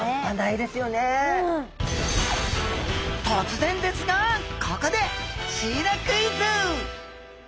突然ですがここでシイラクイズ！